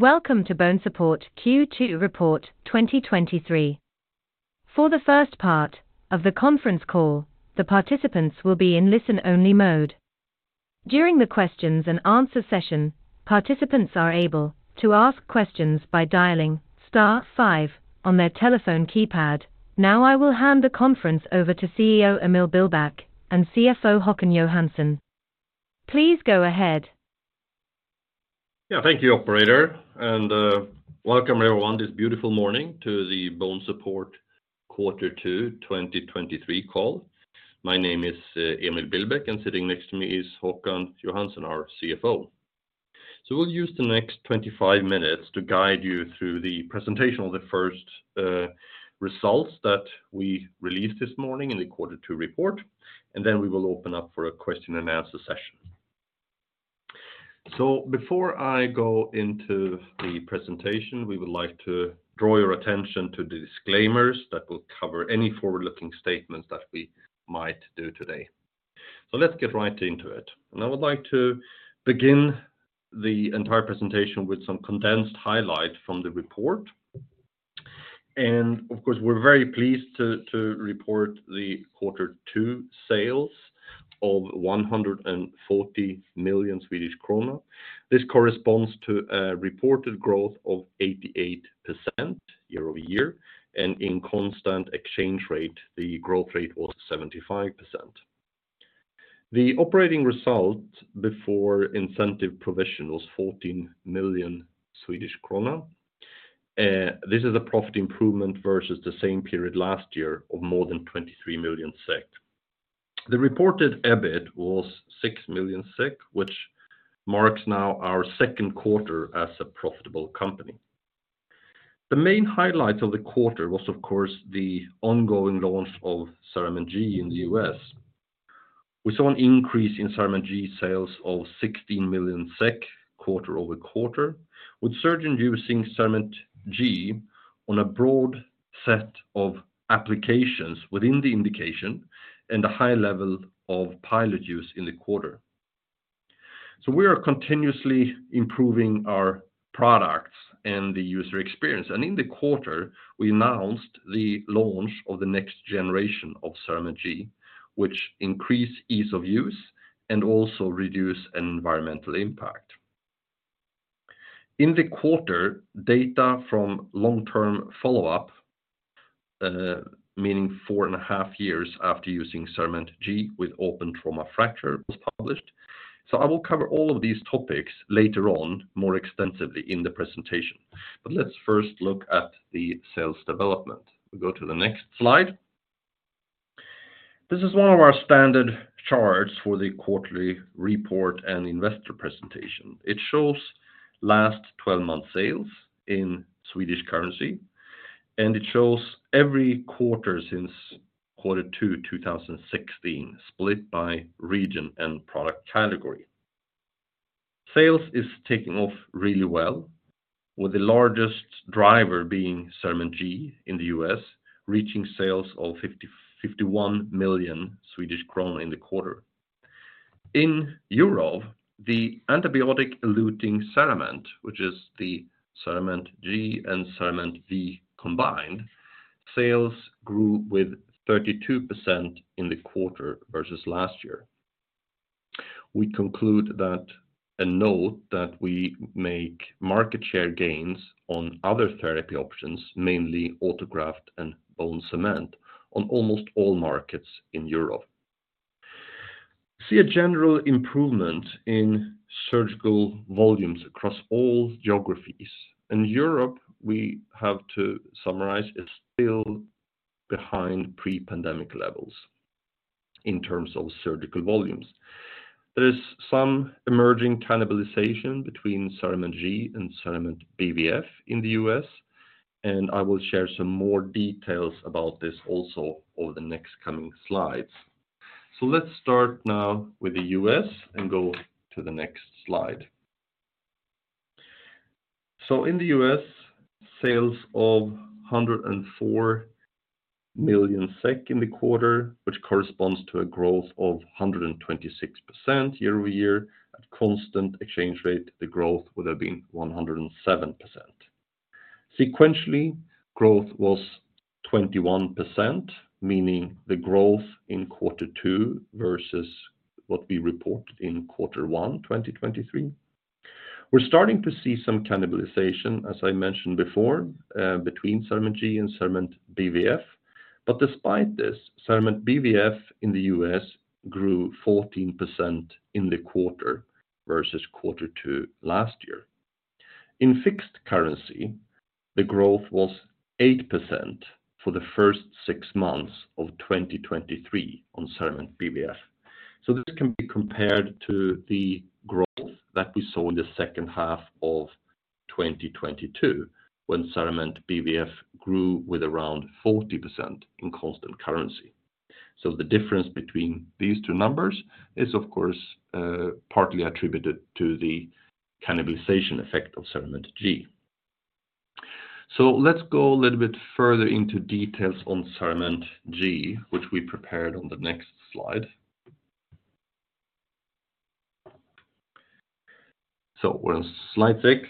Welcome to BONESUPPORT Q2 report 2023. For the first part of the conference call, the participants will be in listen-only mode. During the questions and answer session, participants are able to ask questions by dialing star five on their telephone keypad. Now, I will hand the conference over to CEO Emil Billbäck and CFO Håkan Johansson. Please go ahead. Thank you, operator, welcome everyone this beautiful morning to the BONESUPPORT Quarter 2, 2023 call. My name is Emil Billbäck, sitting next to me is Håkan Johansson, our CFO. We'll use the next 25 minutes to guide you through the presentation of the first results that we released this morning in the Quarter 2 report, we will open up for a question and answer session. Before I go into the presentation, we would like to draw your attention to the disclaimers that will cover any forward-looking statements that we might do today. Let's get right into it. I would like to begin the entire presentation with some condensed highlight from the report. Of course, we're very pleased to report the Quarter 2 sales of 140,000,000 Swedish krona. This corresponds to a reported growth of 88% year-over-year, and in constant exchange rate, the growth rate was 75%. The operating result before incentive provision was 14,000,000 Swedish krona. This is a profit improvement versus the same period last year of more than 23,000,000 SEK. The reported EBIT was 6,000,000 SEK, which marks now our 2nd quarter as a profitable company. The main highlight of the quarter was, of course, the ongoing launch of CERAMENT G in the U.S. We saw an increase in CERAMENT G sales of 16,000,000 SEK quarter-over-quarter, with surgeons using CERAMENT G on a broad set of applications within the indication and a high level of pilot use in the quarter. We are continuously improving our products and the user experience, and in the quarter, we announced the launch of the next generation of CERAMENT G, which increase ease of use and also reduce environmental impact. In the quarter, data from long-term follow-up, meaning 4.5 years after using CERAMENT G with open trauma fracture, was published. I will cover all of these topics later on, more extensively in the presentation. Let's first look at the sales development. We go to the next slide. This is one of our standard charts for the quarterly report and investor presentation. It shows last 12 months sales in Swedish currency, and it shows every quarter since Q2 2016, split by region and product category. Sales is taking off really well, with the largest driver being CERAMENT G in the U.S., reaching sales of 51,000,000 Swedish kronor in the quarter. In Europe, the antibiotic-eluting CERAMENT, which is the CERAMENT G and CERAMENT V combined, sales grew with 32% in the quarter versus last year. We conclude that a note that we make market share gains on other therapy options, mainly autograft and bone cement, on almost all markets in Europe. See a general improvement in surgical volumes across all geographies. In Europe, we have to summarize, is still behind pre-pandemic levels in terms of surgical volumes. There is some emerging cannibalization between CERAMENT G and CERAMENT BVF in the U.S. I will share some more details about this also over the next coming slides. Let's start now with the U.S. and go to the next slide. In the U.S., sales of 104,000,000 SEK in the quarter, which corresponds to a growth of 126% year-over-year. At constant exchange rate, the growth would have been 107%. Sequentially, growth was 21%, meaning the growth in quarter two versus what we reported in quarter one, 2023. We're starting to see some cannibalization, as I mentioned before, between CERAMENT G and CERAMENT BVF, but despite this, CERAMENT BVF in the U.S. grew 14% in the quarter versus quarter two last year. In fixed currency, the growth was 8% for the first six months of 2023 on CERAMENT BVF. This can be compared to the growth that we saw in the second half of 2022, when CERAMENT BVF grew with around 40% in constant currency. The difference between these two numbers is, of course, partly attributed to the cannibalization effect of CERAMENT G. Let's go a little bit further into details on CERAMENT G, which we prepared on the next slide. We're on slide 6.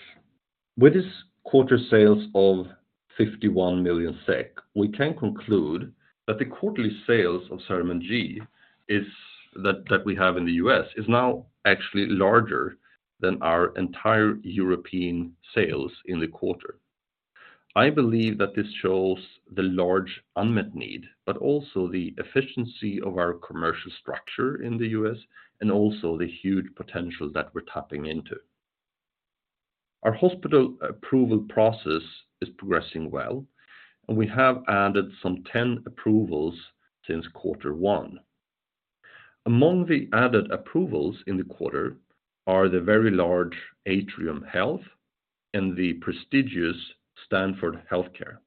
With this quarter sales of 51,000,000 SEK, we can conclude that the quarterly sales of CERAMENT G that we have in the U.S. is now actually larger than our entire European sales in the quarter. I believe that this shows the large unmet need, but also the efficiency of our commercial structure in the U.S., and also the huge potential that we're tapping into. Our hospital approval process is progressing well, and we have added some 10 approvals since quarter one. Among the added approvals in the quarter are the very large Atrium Health and the prestigious Stanford Health Care.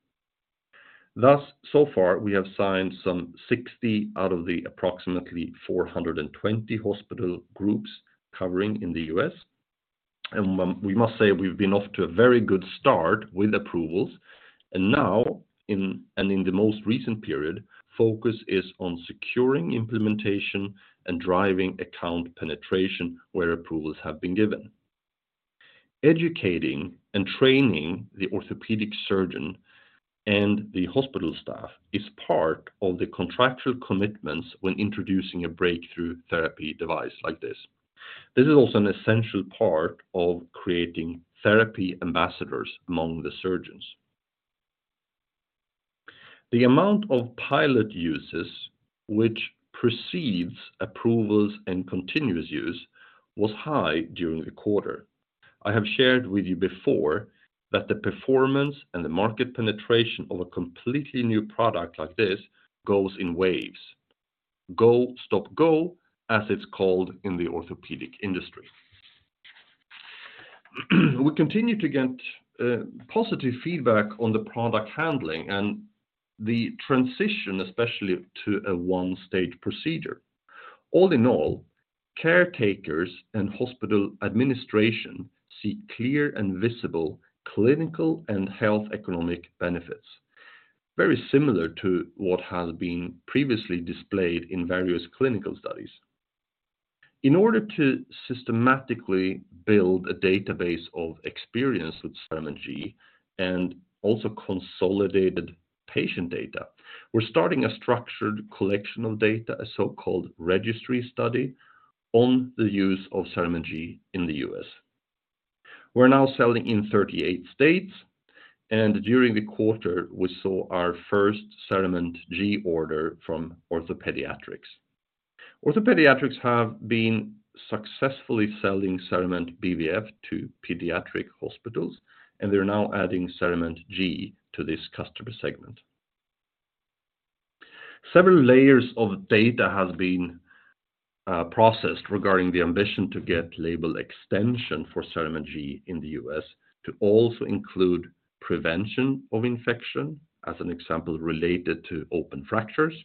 So far, we have signed some 60 out of the approximately 420 hospital groups covering in the U.S. We must say we've been off to a very good start with approvals, and now, in, and in the most recent period, focus is on securing implementation and driving account penetration where approvals have been given. Educating and training the orthopedic surgeon and the hospital staff is part of the contractual commitments when introducing a Breakthrough Device like this. This is also an essential part of creating therapy ambassadors among the surgeons. The amount of pilot uses, which precedes approvals and continuous use, was high during the quarter. I have shared with you before that the performance and the market penetration of a completely new product like this goes in waves. go, stop, go, as it's called in the orthopedic industry. We continue to get positive feedback on the product handling and the transition, especially to a one-stage procedure. All in all, caretakers and hospital administration see clear and visible clinical and health economic benefits, very similar to what has been previously displayed in various clinical studies. In order to systematically build a database of experience with CERAMENT G, and also consolidated patient data, we're starting a structured collection of data, a so-called registry study, on the use of CERAMENT G in the U.S. We're now selling in 38 states. During the quarter, we saw our first CERAMENT G order from OrthoPediatrics. OrthoPediatrics have been successfully selling CERAMENT BVF to pediatric hospitals. They're now adding CERAMENT G to this customer segment. Several layers of data has been processed regarding the ambition to get label extension for CERAMENT G in the US to also include prevention of infection, as an example, related to open fractures.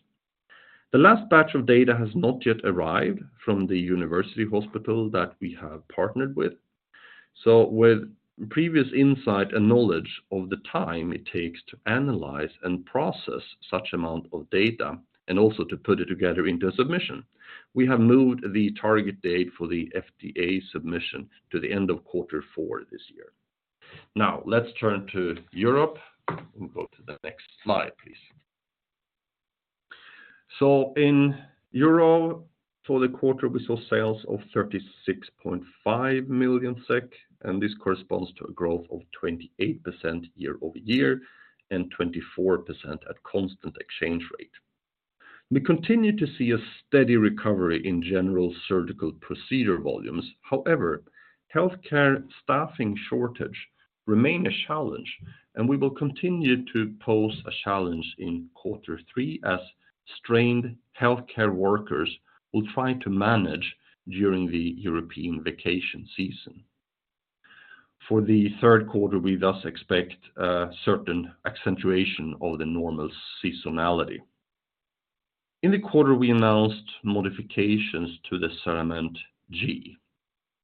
The last batch of data has not yet arrived from the university hospital that we have partnered with. With previous insight and knowledge of the time it takes to analyze and process such amount of data, and also to put it together into a submission, we have moved the target date for the FDA submission to the end of quarter four this year. Let's turn to Europe. We'll go to the next slide, please. In Euro, for the quarter, we saw sales of 36,500,000 SEK, and this corresponds to a growth of 28% year-over-year and 24% at constant exchange rate. We continue to see a steady recovery in general surgical procedure volumes. However, healthcare staffing shortage remain a challenge, and we will continue to pose a challenge in quarter three, as strained healthcare workers will try to manage during the European vacation season. For the third quarter, we thus expect a certain accentuation of the normal seasonality. In the quarter, we announced modifications to the CERAMENT G.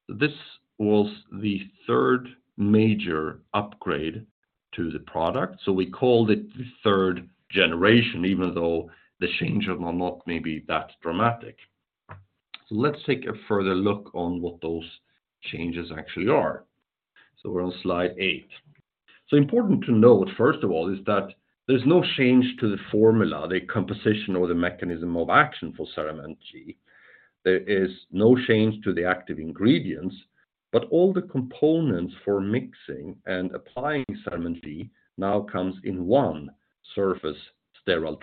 This was the third major upgrade to the product, so we called it the third generation, even though the change of the lock may be that dramatic. Let's take a further look on what those changes actually are. We're on slide eight. Important to note, first of all, is that there's no change to the formula, the composition or the mechanism of action for CERAMENT G. There is no change to the active ingredients, but all the components for mixing and applying CERAMENT G now comes in one surface sterile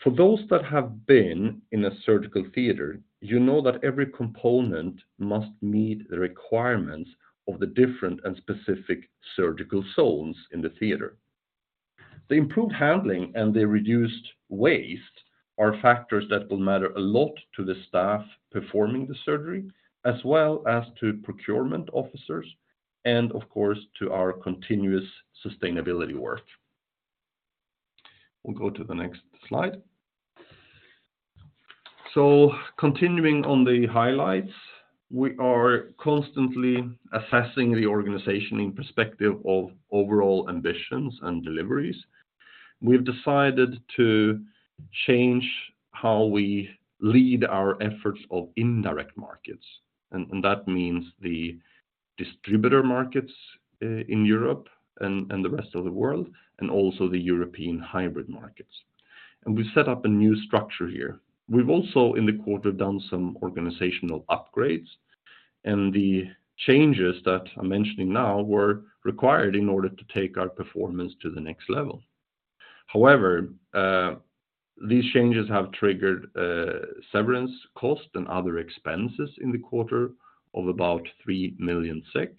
tray. For those that have been in a surgical theater, you know that every component must meet the requirements of the different and specific surgical zones in the theater. The improved handling and the reduced waste are factors that will matter a lot to the staff performing the surgery, as well as to procurement officers, and of course, to our continuous sustainability work. We'll go to the next slide. Continuing on the highlights, we are constantly assessing the organization in perspective of overall ambitions and deliveries. We've decided to change how we lead our efforts of indirect markets, and that means the distributor markets in Europe and the rest of the world, and also the European hybrid markets. We've set up a new structure here. We've also, in the quarter, done some organizational upgrades, and the changes that I'm mentioning now were required in order to take our performance to the next level. However, these changes have triggered severance cost and other expenses in the quarter of about 3,000,000 SEK.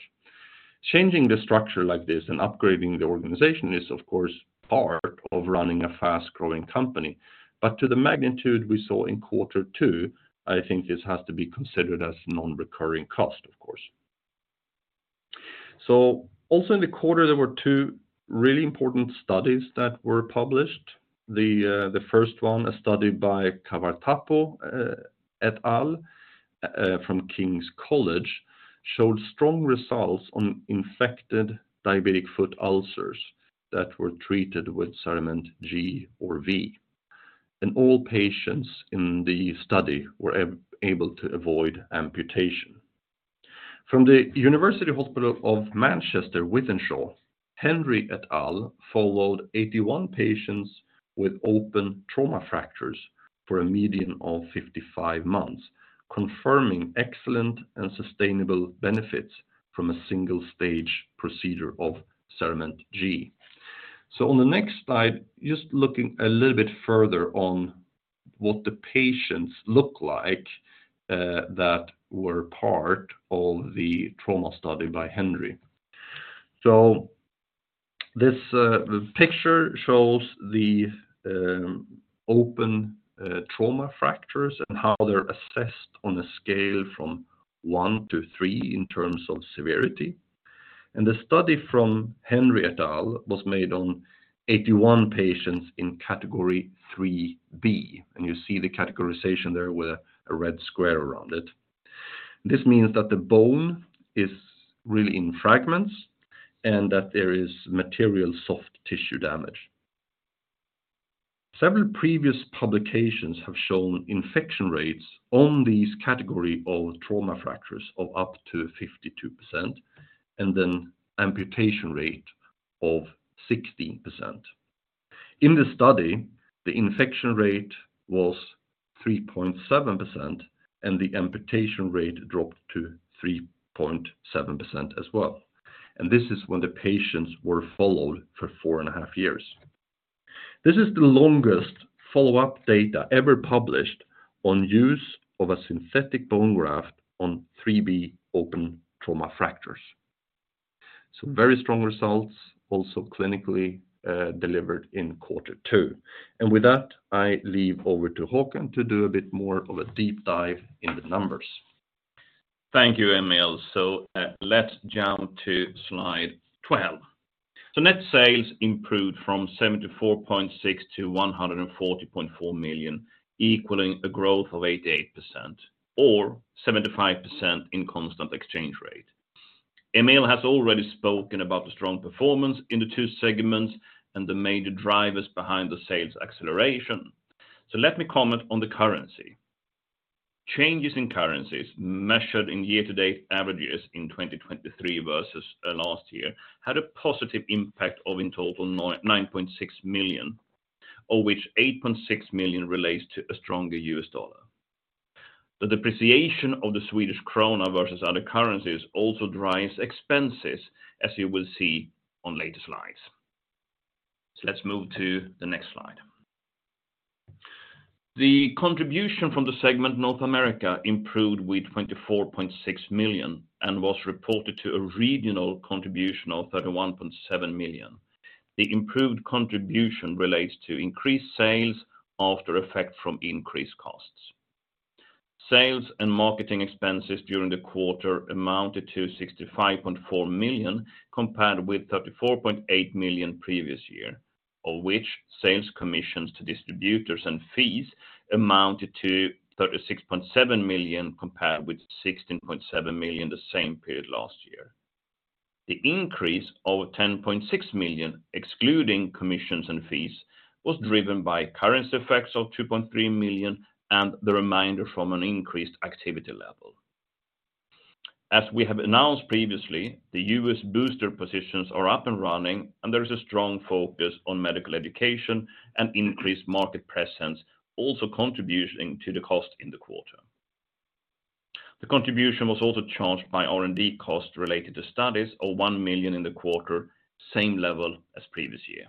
Changing the structure like this and upgrading the organization is, of course, part of running a fast-growing company, but to the magnitude we saw in quarter two, I think this has to be considered as non-recurring cost, of course. Also in the quarter, there were two really important studies that were published. The first one, a study by Kavarthapu et al. from King's College, showed strong results on infected diabetic foot ulcers that were treated with CERAMENT G or V, and all patients in the study were able to avoid amputation. From the University Hospital of Manchester, Wythenshawe, Henry et al. followed 81 patients with open trauma fractures for a median of 55 months, confirming excellent and sustainable benefits from a single-stage procedure of CERAMENT G. On the next slide, just looking a little bit further on what the patients look like that were part of the trauma study by Henry. This picture shows the open trauma fractures and how they're assessed on a scale from 1 to 3 in terms of severity. The study from Henry et al. was made on 81 patients in category 3B, and you see the categorization there with a red square around it. This means that the bone is really in fragments, and that there is material soft tissue damage. Several previous publications have shown infection rates on these category of trauma fractures of up to 52%, and an amputation rate of 16%. In the study, the infection rate was 3.7%, and the amputation rate dropped to 3.7% as well, and this is when the patients were followed for 4 and a half years. This is the longest follow-up data ever published on use of a synthetic bone graft on 3B open trauma fractures. Very strong results, also clinically, delivered in quarter two. With that, I leave over to Håkan to do a bit more of a deep dive in the numbers. Thank you, Emil. Let's jump to slide 12. Net sales improved from 74,600,000-140,400,000, equaling a growth of 88% or 75% in constant exchange rate. Emil has already spoken about the strong performance in the two segments and the major drivers behind the sales acceleration. Let me comment on the currency. Changes in currencies measured in year-to-date averages in 2023 versus last year, had a positive impact of in total 9,600,000, of which $8,600,000 relates to a stronger US dollar. The depreciation of the Swedish krona versus other currencies also drives expenses, as you will see on later slides. Let's move to the next slide. The contribution from the segment North America improved with 24,600,000 and was reported to a regional contribution of 31,700,000. The improved contribution relates to increased sales after effect from increased costs. Sales and marketing expenses during the quarter amounted to 65,400,000, compared with 34,800,000 previous year, of which sales commissions to distributors and fees amounted to 36,700,000, compared with 16,700,000 the same period last year. The increase of 10,600,000, excluding commissions and fees, was driven by currency effects of 2,300,000 and the remainder from an increased activity level. As we have announced previously, the U.S. booster positions are up and running, and there is a strong focus on medical education and increased market presence, also contributing to the cost in the quarter. The contribution was also charged by R&D cost related to studies of 1,000,000 in the quarter, same level as previous year.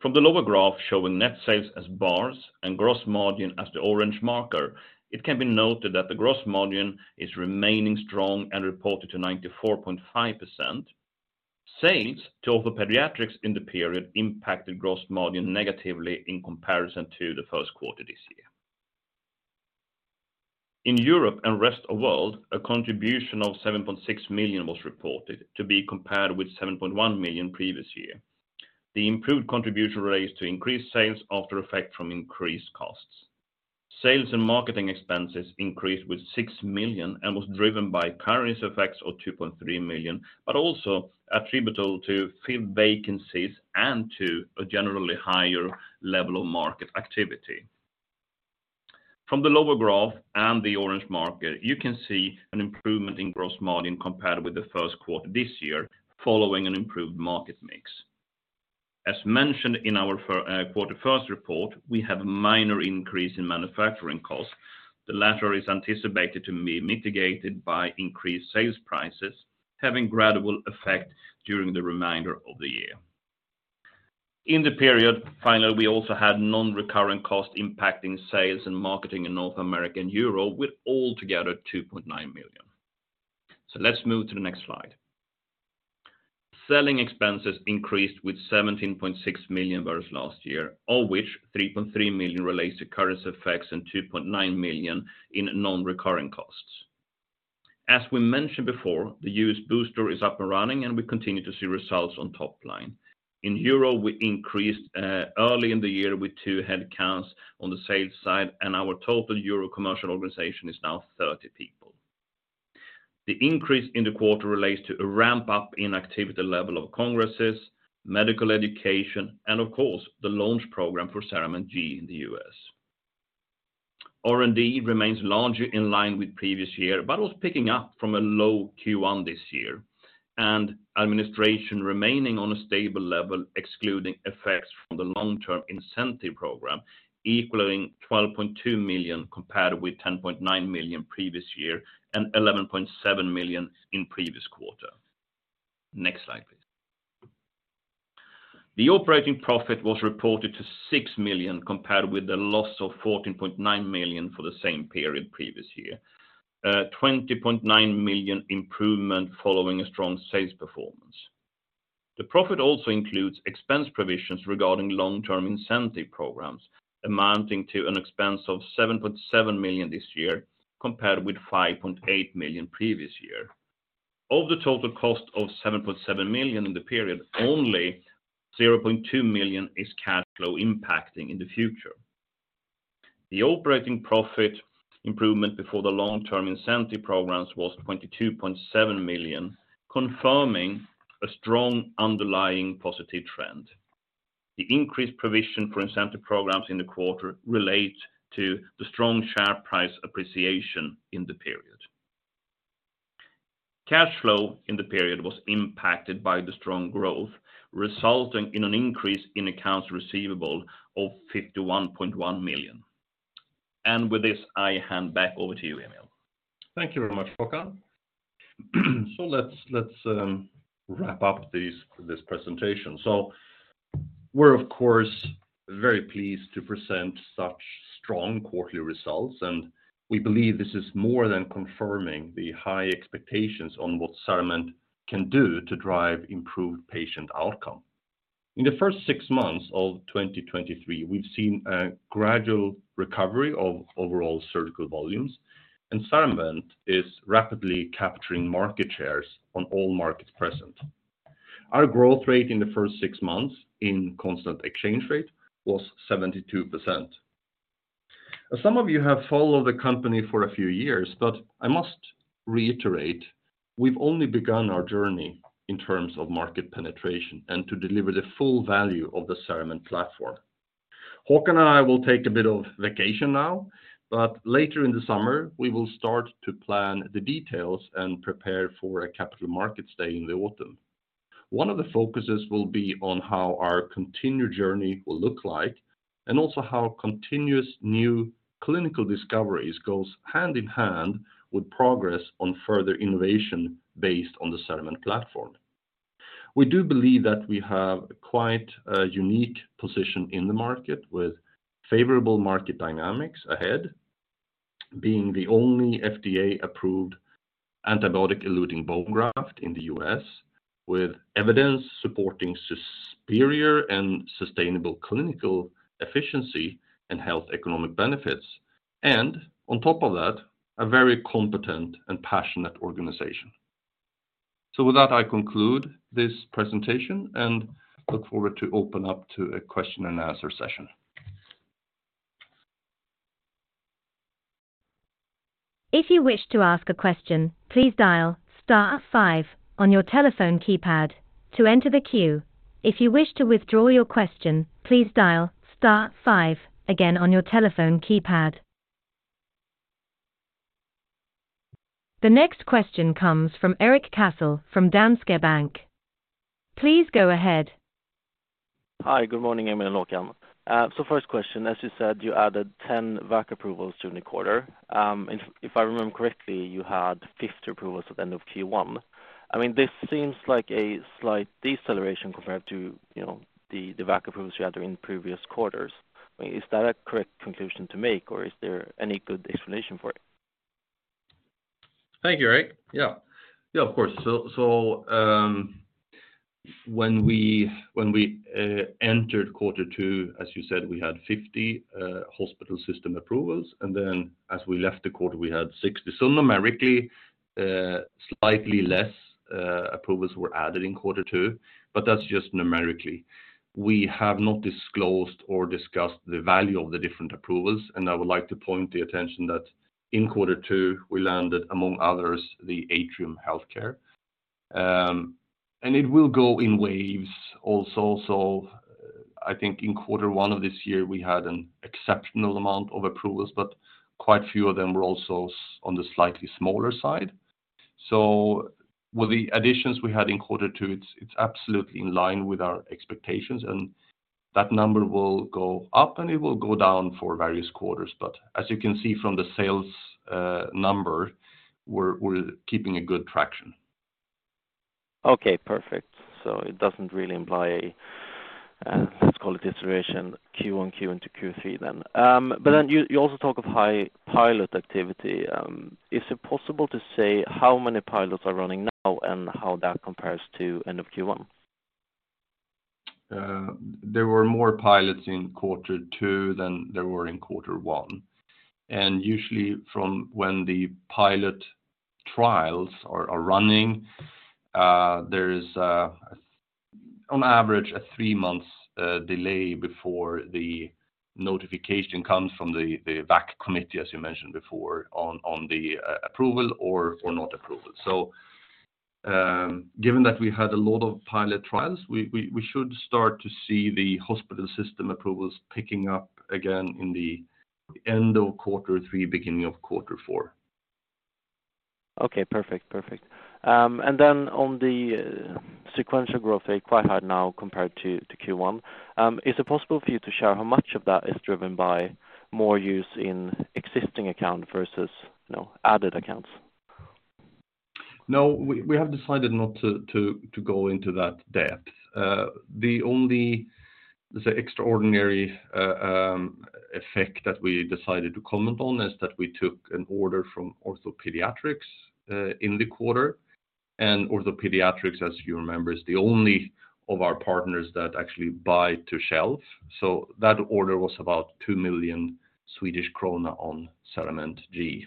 From the lower graph, showing net sales as bars and gross margin as the orange marker, it can be noted that the gross margin is remaining strong and reported to 94.5%. Sales to OrthoPediatrics in the period impacted gross margin negatively in comparison to the first quarter this year. In Europe and rest of world, a contribution of 7,600,000 was reported, to be compared with 7,100,000 previous year. The improved contribution raised to increased sales after effect from increased costs. Sales and marketing expenses increased with 6,000,000 and was driven by currency effects of 2,300,000, but also attributable to field vacancies and to a generally higher level of market activity. From the lower graph and the orange market, you can see an improvement in gross margin compared with the first quarter this year, following an improved market mix. As mentioned in our quarter first report, we have a minor increase in manufacturing costs. The latter is anticipated to be mitigated by increased sales prices, having gradual effect during the remainder of the year. In the period, finally, we also had non-recurring costs impacting sales and marketing in North America and Europe, with altogether $2,900,000. Let's move to the next slide. Selling expenses increased with $17,600,000 versus last year, of which $3,300,000 relates to currency effects and $2,900,000 in non-recurring costs. As we mentioned before, the US booster is up and running, and we continue to see results on top line. In Euro, we increased early in the year with two headcounts on the sales side, and our total Euro commercial organization is now 30 people. The increase in the quarter relates to a ramp-up in activity level of congresses, medical education, and of course, the launch program for CERAMENT G in the U.S. R&D remains largely in line with previous year, but was picking up from a low Q1 this year, and administration remaining on a stable level, excluding effects from the long-term incentive program, equaling 12,200,000, compared with 10,900,000 previous year and 11,700,000 in previous quarter. Next slide, please. The operating profit was reported to 6,000,000, compared with a loss of 14,900,000 for the same period previous year. 20,900,000 improvement following a strong sales performance. The profit also includes expense provisions regarding long-term incentive programs, amounting to an expense of 7,700,000 this year, compared with 5,800,000 previous year. Of the total cost of 7,700,000 in the period, only 200,000 is cash flow impacting in the future. The operating profit improvement before the long-term incentive programs was 22,700,000, confirming a strong underlying positive trend. The increased provision for incentive programs in the quarter relate to the strong share price appreciation in the period. Cash flow in the period was impacted by the strong growth, resulting in an increase in accounts receivable of 51,100,000. With this, I hand back over to you, Emil. Thank you very much, Håkan. Let's wrap up this presentation. We're, of course, very pleased to present such strong quarterly results, and we believe this is more than confirming the high expectations on what CERAMENT can do to drive improved patient outcome. In the first six months of 2023, we've seen a gradual recovery of overall surgical volumes, and CERAMENT is rapidly capturing market shares on all markets present. Our growth rate in the first six months in constant exchange rate was 72%. Some of you have followed the company for a few years, but I must reiterate, we've only begun our journey in terms of market penetration and to deliver the full value of the CERAMENT platform. Håkan and I will take a bit of vacation now, but later in the summer, we will start to plan the details and prepare for a Capital Markets Day in the autumn. One of the focuses will be on how our continued journey will look like and also how continuous new clinical discoveries goes hand in hand with progress on further innovation based on the CERAMENT platform. We do believe that we have quite a unique position in the market, with favorable market dynamics ahead, being the only FDA-approved antibiotic-eluting bone graft in the U.S., with evidence supporting superior and sustainable clinical efficiency and health economic benefits, and on top of that, a very competent and passionate organization. With that, I conclude this presentation and look forward to open up to a question and answer session. If you wish to ask a question, please dial star five on your telephone keypad to enter the queue. If you wish to withdraw your question, please dial star five again on your telephone keypad. The next question comes from Erik Cassel, from Danske Bank. Please go ahead. Hi, good morning, Emil and Håkan. First question, as you said, you added 10 VAC approvals during the quarter. If I remember correctly, you had 50 approvals at the end of Q1. This seems like a slight deceleration compared to, you know, the VAC approvals you had during previous quarters. Is that a correct conclusion to make, or is there any good explanation for it? Thank you, Erik. Yeah. Yeah, of course. So when we entered quarter two, as you said, we had 50 hospital system approvals, and then as we left the quarter, we had 60. Numerically, slightly less approvals were added in quarter two, but that's just numerically. We have not disclosed or discussed the value of the different approvals. I would like to point the attention that in quarter two, we landed, among others, the Atrium Health. It will go in waves also. I think in quarter one of this year, we had an exceptional amount of approvals, but quite a few of them were also on the slightly smaller side. With the additions we had in quarter two, it's absolutely in line with our expectations, and that number will go up and it will go down for various quarters. As you can see from the sales number, we're keeping a good traction. Okay, perfect. It doesn't really imply, let's call it deceleration Q on Q into Q3 then. You, you also talk of high pilot activity. Is it possible to say how many pilots are running now and how that compares to end of Q1? There were more pilots in quarter 2 than there were in quarter 1. Usually from when the pilot trials are running, there is, on average, a 3-months delay before the notification comes from the VAC committee, as you mentioned before, on the approval or not approval. Given that we had a lot of pilot trials, we should start to see the hospital system approvals picking up again in the end of quarter 3, beginning of quarter 4. Okay, perfect. On the sequential growth rate, quite high now compared to Q1. Is it possible for you to share how much of that is driven by more use in existing account versus, you know, added accounts? No, we have decided not to go into that depth. The only, the extraordinary effect that we decided to comment on is that we took an order from OrthoPediatrics in the quarter. OrthoPediatrics, as you remember, is the only of our partners that actually buy to shelf. That order was about 2,000,000 Swedish krona on CERAMENT G.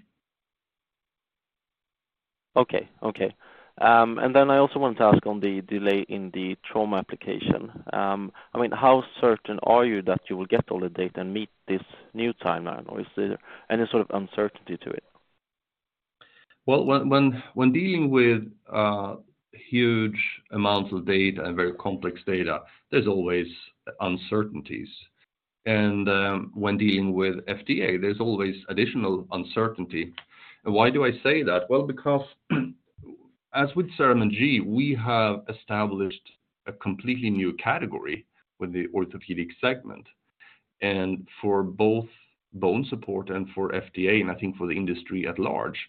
Okay, okay. Then I also wanted to ask on the delay in the trauma application, I mean, how certain are you that you will get all the data and meet this new timeline, or is there any sort of uncertainty to it? When dealing with huge amounts of data and very complex data, there's always uncertainties. When dealing with FDA, there's always additional uncertainty. Why do I say that? Because, as with CERAMENT G, we have established a completely new category with the orthopedic segment. For both BONESUPPORT and for FDA, and I think for the industry at large,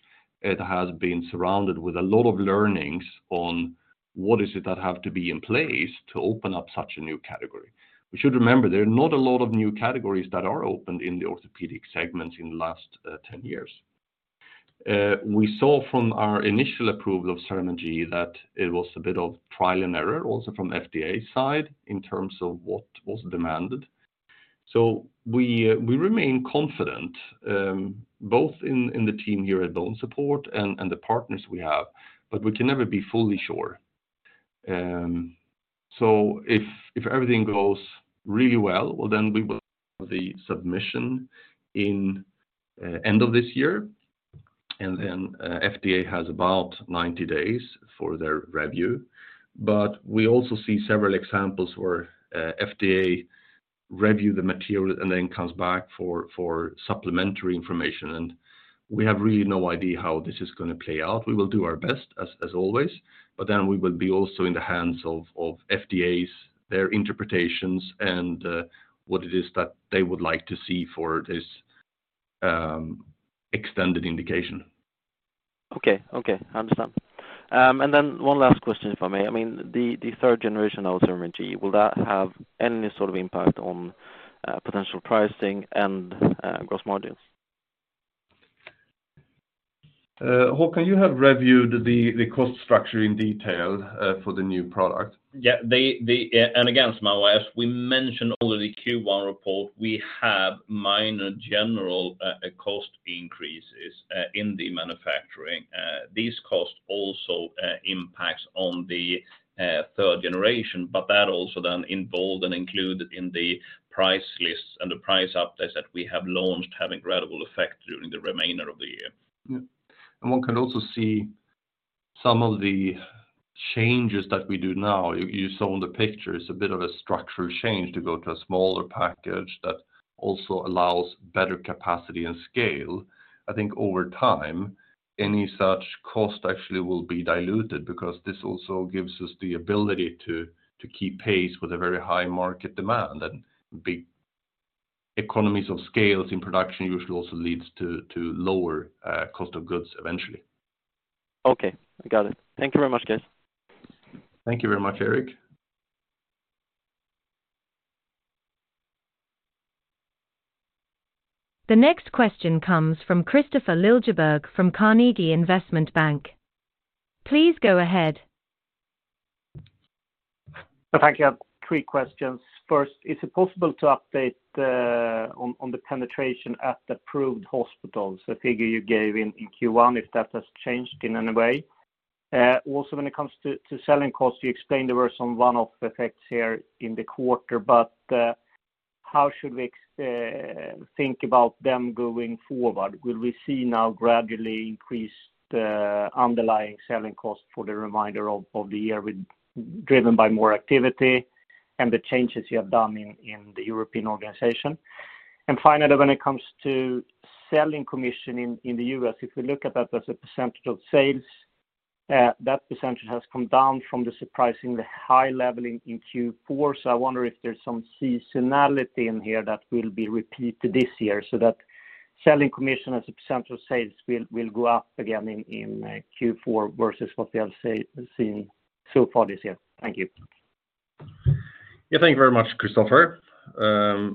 it has been surrounded with a lot of learnings on what is it that have to be in place to open up such a new category. We should remember, there are not a lot of new categories that are opened in the orthopedic segments in the last 10 years. We saw from our initial approval of CERAMENT G that it was a bit of trial and error, also from FDA side, in terms of what was demanded. We remain confident, both in the team here at BONESUPPORT and the partners we have, but we can never be fully sure. If everything goes really well, then we will have the submission in, end of this year, and then, FDA has about 90 days for their review. We also see several examples where, FDA review the material and then comes back for supplementary information, and we have really no idea how this is going to play out. We will do our best as always, we will be also in the hands of FDA's, their interpretations and what it is that they would like to see for this extended indication. Okay, okay, I understand. One last question, if I may. I mean, the third generation of CERAMENT G, will that have any sort of impact on potential pricing and gross margins? Håkan, you have reviewed the cost structure in detail for the new product. Again, Samuel, as we mentioned already, Q1 report, we have minor general cost increases in the manufacturing. These costs also impacts on the third generation, that also then involved and included in the price lists and the price updates that we have launched have incredible effect during the remainder of the year. One can also see some of the changes that we do now. You saw on the picture, it's a bit of a structural change to go to a smaller package that also allows better capacity and scale. I think over time, any such cost actually will be diluted because this also gives us the ability to keep pace with a very high market demand, and big economies of scales in production usually also leads to lower cost of goods eventually. Okay, I got it. Thank you very much, guys. Thank you very much, Erik. The next question comes from Kristofer Liljeberg from Carnegie Investment Bank. Please go ahead. Thank you. I have three questions. First, is it possible to update on the penetration at the approved hospitals, the figure you gave in Q1, if that has changed in any way? Also when it comes to selling costs, you explained there were some one-off effects here in the quarter, but how should we think about them going forward? Will we see now gradually increased underlying selling costs for the remainder of the year with, driven by more activity and the changes you have done in the European organization? Finally, when it comes to selling commission in the U.S., if we look at that as a % of sales, that % has come down from the surprisingly high level in Q4. I wonder if there's some seasonality in here that will be repeated this year, so that selling commission as a % of sales will go up again in Q4 versus what we have seen so far this year. Thank you. Yeah, thank you very much, Kristofer.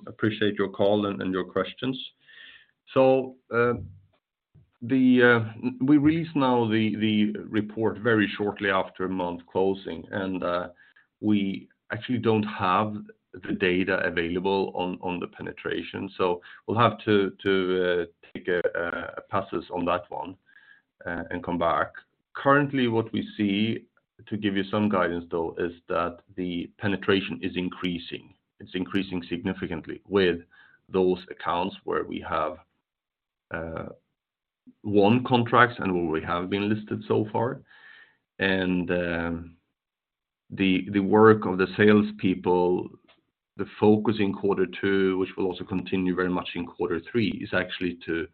Appreciate your call and your questions. The, we release now the report very shortly after a month closing, and we actually don't have the data available on the penetration, so we'll have to take a passes on that one and come back. Currently, what we see, to give you some guidance, though, is that the penetration is increasing. It's increasing significantly with those accounts where we have won contracts and where we have been listed so far. The work of the salespeople, the focus in quarter two, which will also continue very much in quarter three, is actually to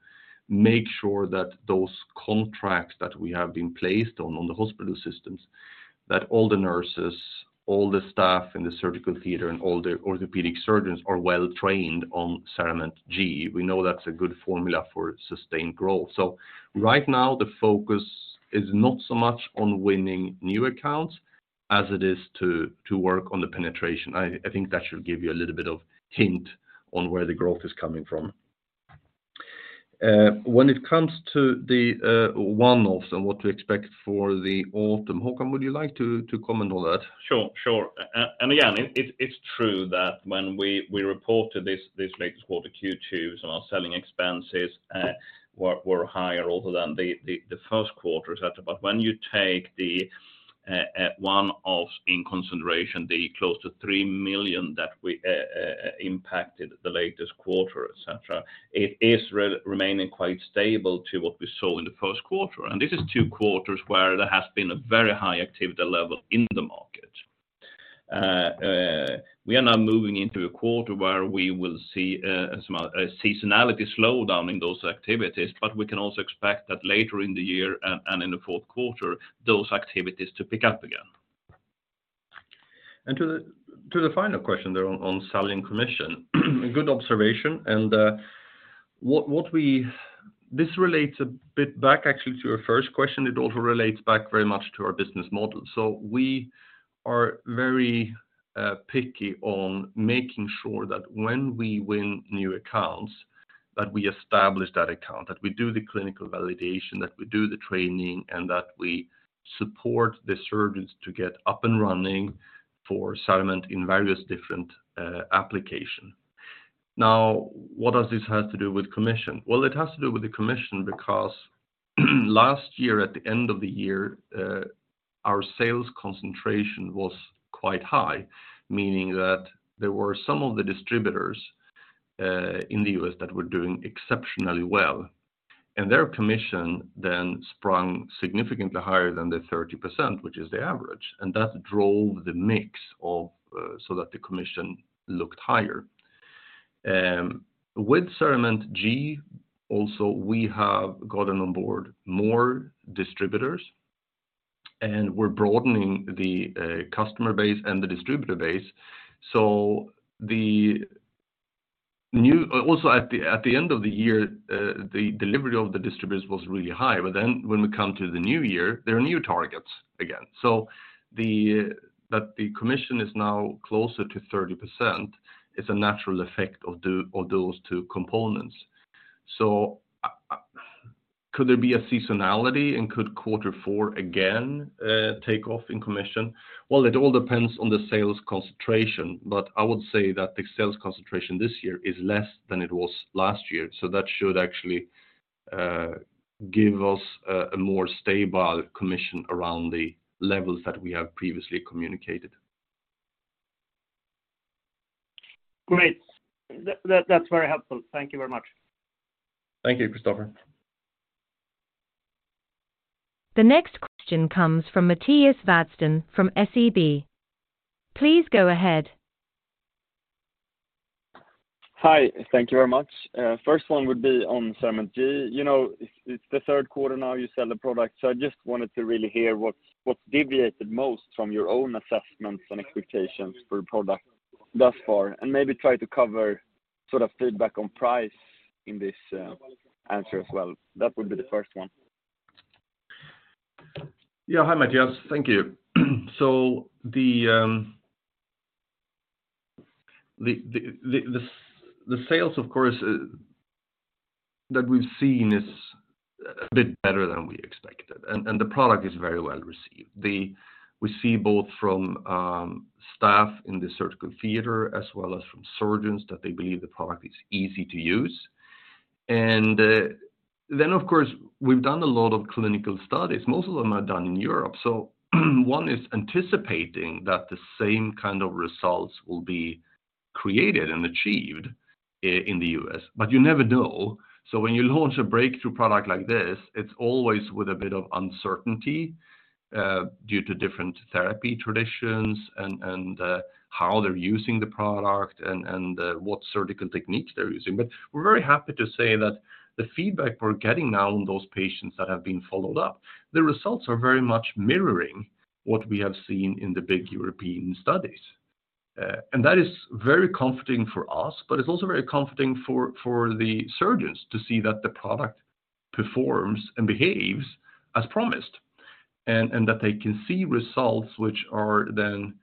make sure that those contracts that we have been placed on the hospital systems, that all the nurses, all the staff in the surgical theater, and all the orthopedic surgeons are well trained on CERAMENT G. We know that's a good formula for sustained growth. Right now, the focus is not so much on winning new accounts as it is to work on the penetration. I think that should give you a little bit of hint on where the growth is coming from. When it comes to the one-offs and what to expect for the autumn, Håkan, would you like to comment on that? Sure, sure. Again, it's true that when we reported this latest quarter, Q2, our selling expenses were higher also than the first quarter, et cetera. When you take the one-offs in consideration, the close to 3,000,000 that we impacted the latest quarter, et cetera, it is remaining quite stable to what we saw in the first quarter. This is 2 quarters where there has been a very high activity level in the market. We are now moving into a quarter where we will see some seasonality slowdown in those activities, but we can also expect that later in the year and in the fourth quarter, those activities to pick up again. To the final question there on selling commission, good observation. This relates a bit back actually to your first question. It also relates back very much to our business model. We are very picky on making sure that when we win new accounts, that we establish that account, that we do the clinical validation, that we do the training, and that we support the surgeons to get up and running for CERAMENT in various different application. What does this have to do with commission? It has to do with the commission because, last year, at the end of the year, our sales concentration was quite high, meaning that there were some of the distributors in the U.S. that were doing exceptionally well, and their commission then sprung significantly higher than the 30%, which is the average. That drove the mix of so that the commission looked higher. With CERAMENT G, also, we have gotten on board more distributors, and we're broadening the customer base and the distributor base. Also, at the end of the year, the delivery of the distributors was really high. When we come to the new year, there are new targets again. That the commission is now closer to 30%, it's a natural effect of those two components. Could there be a seasonality and could quarter four again take off in commission? It all depends on the sales concentration, but I would say that the sales concentration this year is less than it was last year, so that should actually give us a more stable commission around the levels that we have previously communicated. Great. That's very helpful. Thank you very much. Thank you, Kristofer. The next question comes from Mattias Vadsten from SEB. Please go ahead. Hi, thank you very much. First one would be on CERAMENT G. You know, it's the third quarter now you sell the product, I just wanted to really hear what's deviated most from your own assessments and expectations for the product thus far, and maybe try to cover sort of feedback on price in this answer as well. That would be the first one. Yeah. Hi, Matthias. Thank you. The sales, of course, that we've seen is a bit better than we expected, and the product is very well received. We see both from staff in the surgical theater as well as from surgeons, that they believe the product is easy to use. Of course, we've done a lot of clinical studies. Most of them are done in Europe. One is anticipating that the same kind of results will be created and achieved in the U.S., but you never know. When you launch a breakthrough product like this, it's always with a bit of uncertainty due to different therapy traditions and how they're using the product and what surgical techniques they're using. We're very happy to say that the feedback we're getting now on those patients that have been followed up, the results are very much mirroring what we have seen in the big European studies. That is very comforting for us, but it's also very comforting for the surgeons to see that the product performs and behaves as promised, and that they can see results which are then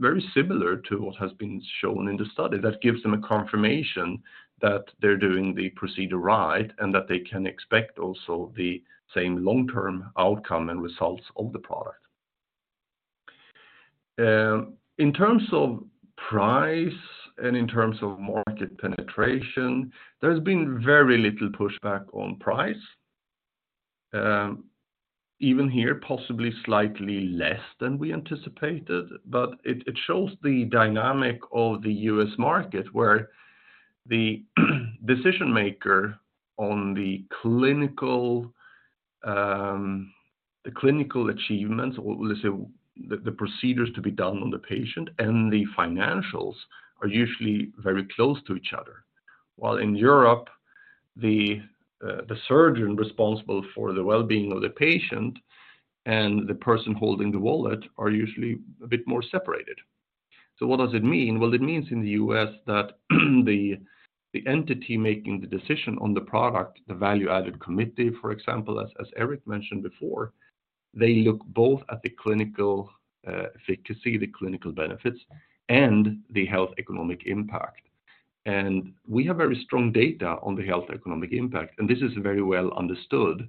very similar to what has been shown in the study. That gives them a confirmation that they're doing the procedure right, and that they can expect also the same long-term outcome and results of the product. In terms of price and in terms of market penetration, there's been very little pushback on price. Even here, possibly slightly less than we anticipated, but it shows the dynamic of the US market, where the decision maker on the clinical, the clinical achievements, or let's say, the procedures to be done on the patient and the financials, are usually very close to each other. While in Europe, the surgeon responsible for the well-being of the patient and the person holding the wallet are usually a bit more separated. What does it mean? Well, it means in the US that the entity making the decision on the product, the Value Analysis Committee, for example, as Erik mentioned before, they look both at the clinical efficacy, the clinical benefits, and the health economic impact. We have very strong data on the health economic impact, and this is very well understood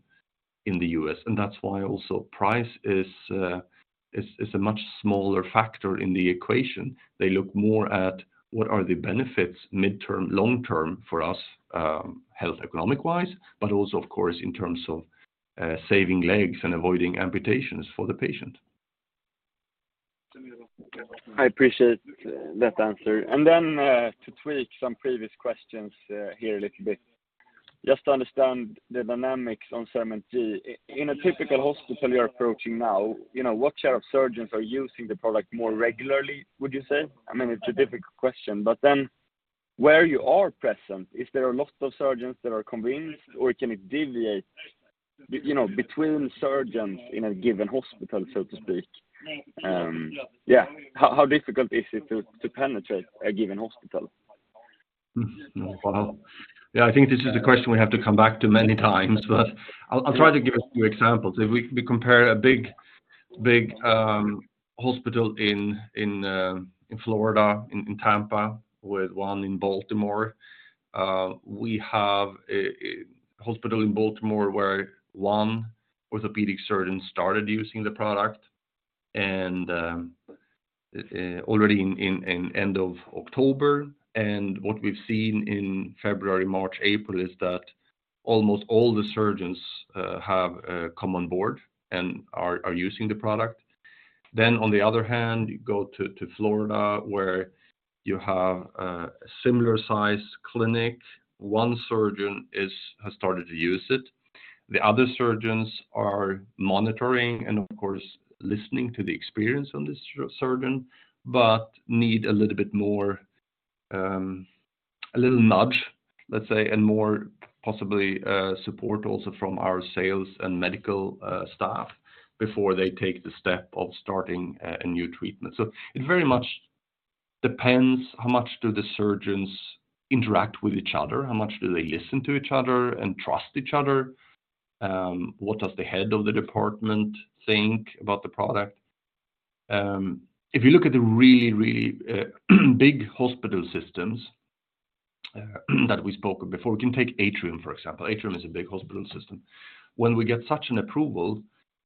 in the US, and that's why also price is a much smaller factor in the equation. They look more at what are the benefits midterm, long term for us, health economic-wise, but also, of course, in terms of saving legs and avoiding amputations for the patient. I appreciate that answer. To tweak some previous questions here a little bit, just to understand the dynamics on CERAMENT G. In a typical hospital you're approaching now, you know, what share of surgeons are using the product more regularly, would you say? I mean, it's a difficult question, where you are present, is there a lot of surgeons that are convinced, or can it deviate, you know, between surgeons in a given hospital, so to speak? Yeah, how difficult is it to penetrate a given hospital? Well, yeah, I think this is a question we have to come back to many times, but I'll try to give a few examples. If we compare a big hospital in Florida, in Tampa, with one in Baltimore, we have a hospital in Baltimore where one orthopedic surgeon started using the product already in end of October. What we've seen in February, March, April is that almost all the surgeons have come on board and are using the product. On the other hand, you go to Florida, where you have a similar size clinic. One surgeon has started to use it. The other surgeons are monitoring and of course, listening to the experience on this surgeon, but need a little bit more, a little nudge, let's say, and more possibly, support also from our sales and medical staff before they take the step of starting a new treatment. It very much depends how much do the surgeons interact with each other? How much do they listen to each other and trust each other? What does the head of the department think about the product? If you look at the really, really, big hospital systems, that we spoke of before, we can take Atrium, for example. Atrium is a big hospital system. When we get such an approval,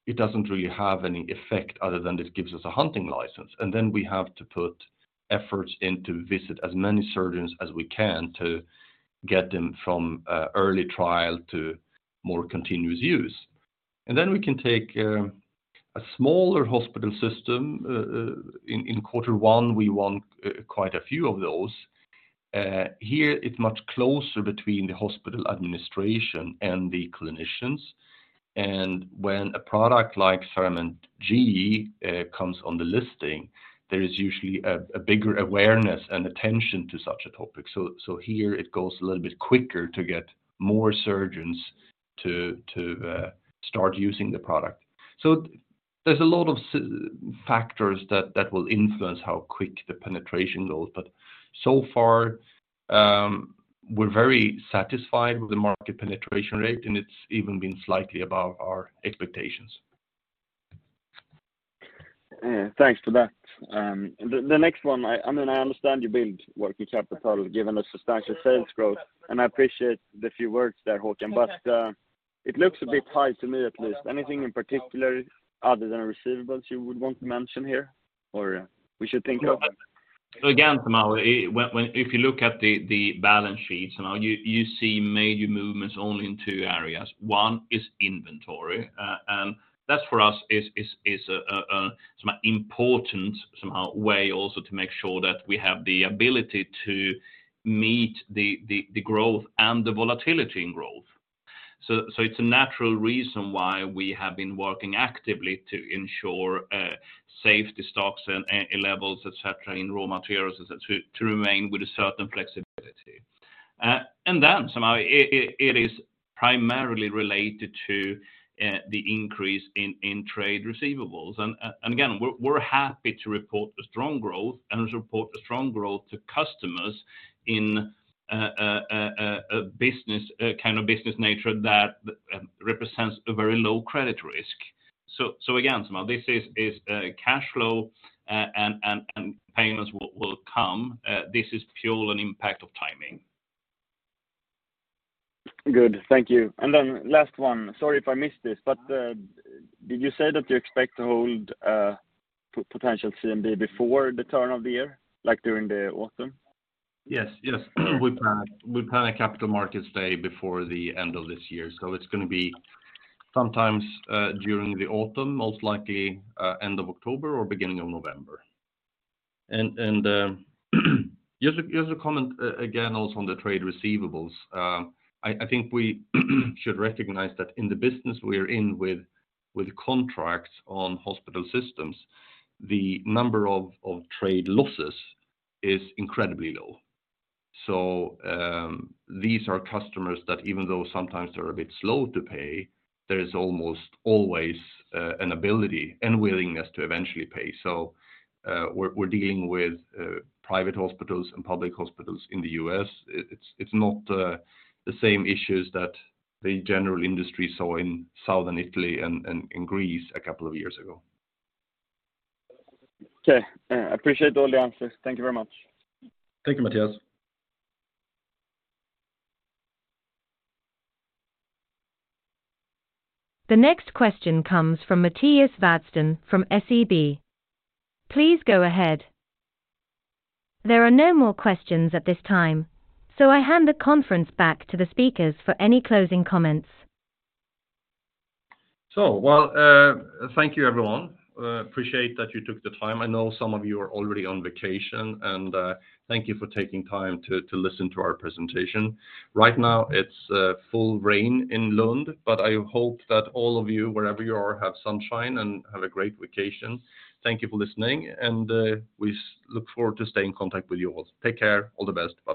it doesn't really have any effect other than it gives us a hunting license. Then we have to put efforts in to visit as many surgeons as we can to get them from early trial to more continuous use. Then we can take a smaller hospital system in quarter one, we want quite a few of those. Here, it's much closer between the hospital administration and the clinicians, and when a product like CERAMENT G comes on the listing, there is usually a bigger awareness and attention to such a topic. So here it goes a little bit quicker to get more surgeons to start using the product. There's a lot of factors that will influence how quick the penetration goes. So far, we're very satisfied with the market penetration rate. It's even been slightly above our expectations. Thanks for that. The next one, I mean, I understand you build working capital, given the substantial sales growth, and I appreciate the few words there, Håkan. It looks a bit high to me, at least. Anything in particular other than receivables you would want to mention here, or we should think of? Again, Matthias, when if you look at the balance sheets, you see major movements only in two areas. One is inventory, and that for us is an important somehow way also to make sure that we have the ability to meet the growth and the volatility in growth. So it's a natural reason why we have been working actively to ensure safety stocks and levels, et cetera, in raw materials to remain with a certain flexibility. Then somehow, it is primarily related to the increase in trade receivables. Again, we're happy to report a strong growth and to report a strong growth to customers in a business kind of business nature that represents a very low credit risk. Again, Matthias, this is cash flow, and payments will come. This is purely an impact of timing. Good. Thank you. Last one, sorry if I missed this, but did you say that you expect to hold potential CMD before the turn of the year, like during the autumn? Yes. Yes. We plan a Capital Markets Day before the end of this year, so it's gonna be sometimes during the autumn, most likely end of October or beginning of November. Just a comment, again, also on the trade receivables. I think we should recognize that in the business we are in with contracts on hospital systems, the number of trade losses is incredibly low. These are customers that even though sometimes they're a bit slow to pay, there is almost always an ability and willingness to eventually pay. We're dealing with private hospitals and public hospitals in the US. It's not the same issues that the general industry saw in Southern Italy and in Greece a couple of years ago. Okay. Appreciate all the answers. Thank you very much. Thank you, Mattias. The next question comes from Mattias Vadsten from SEB. Please go ahead. There are no more questions at this time. I hand the conference back to the speakers for any closing comments. Well, thank you, everyone. Appreciate that you took the time. I know some of you are already on vacation, thank you for taking time to listen to our presentation. Right now, it's full rain in Lund, I hope that all of you, wherever you are, have sunshine and have a great vacation. Thank you for listening, we look forward to stay in contact with you all. Take care. All the best. Bye-bye.